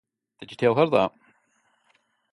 Did you tell her that?